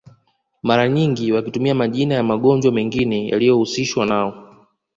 Mara nyingi wakitumia majina ya magonjwa mengine yaliyohusishwa nao